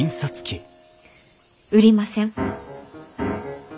売りません。